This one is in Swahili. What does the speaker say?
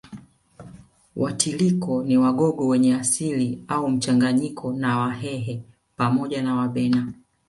Wetiliko ni Wagogo wenye asili au mchanganyiko na Wahehe pamoja na Wabena